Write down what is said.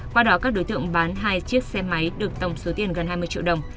qua đó các đối tượng bán hai chiếc xe máy được tổng số tiền gần hai mươi triệu đồng